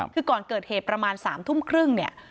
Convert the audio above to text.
คือก่อนเกิดเหตุประมาณ๓ทุ่มครึ่งเนี่ย